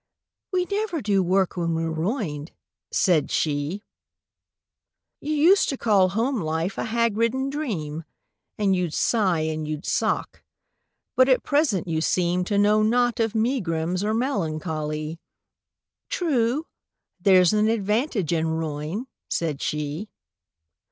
— "We never do work when we're ruined," said she. —"You used to call home life a hag ridden dream, And you'd sigh, and you'd sock; but at present you seem To know not of megrims or melancho ly!"— "True. There's an advantage in ruin," said she.